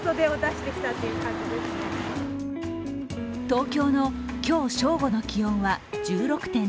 東京の今日正午の気温は１６．７度。